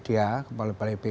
kepala kementerian lhk